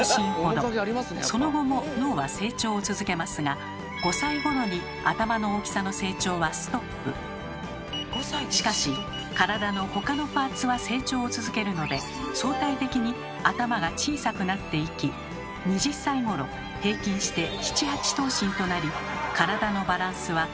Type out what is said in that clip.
その後も脳は成長を続けますがしかし体の他のパーツは成長を続けるので相対的に頭が小さくなっていき２０歳ごろ平均して７８頭身となり体のバランスは完成します。